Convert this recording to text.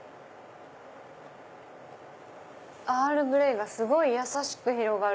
アールグレイがすごいやさしく広がる。